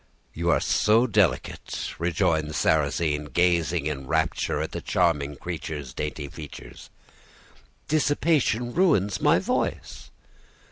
"'You are so delicate!' rejoined Sarrasine, gazing in rapture at the charming creature's dainty features. "'Dissipation ruins my voice.